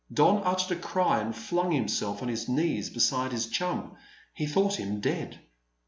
Don uttered a cry and flung himself on his knees beside his chum. He thought him dead.